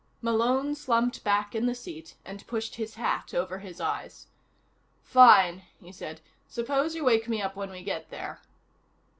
Malone slumped back in the seat and pushed his hat over his eyes. "Fine," he said. "Suppose you wake me up when we get there."